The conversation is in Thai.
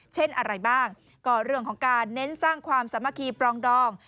เช่นอะไรบ้างก็เรื่องของการเน้นสร้างความสามัคคีปรองดอง